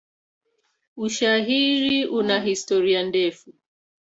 Ushairi una historia ndefu.